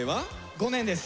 ５年です。